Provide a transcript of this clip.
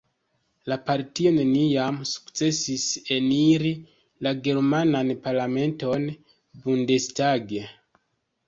La partio neniam sukcesis eniri la germanan parlamenton Bundestag.